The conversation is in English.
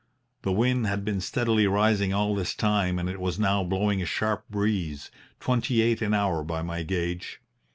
The wind had been steadily rising all this time and it was now blowing a sharp breeze twenty eight an hour by my gauge.